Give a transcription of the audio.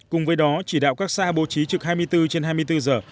cùng với đó chỉ đạo các xã bố trí trực hai mươi bốn trên hai mươi bốn giờ